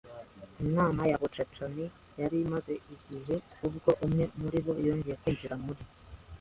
Inama ya buccaneers yari imaze igihe, ubwo umwe muribo yongeye kwinjira muri